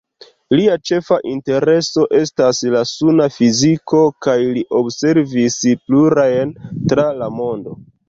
Lia ĉefa intereso estas la suna fiziko kaj li observis plurajn tra la mondo.